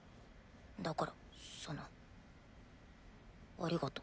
だからそのありがと。